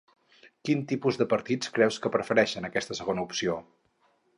Quins tipus de partits creu que prefereixen aquesta segona opció?